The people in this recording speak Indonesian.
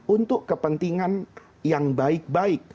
untuk kepentingan yang baik baik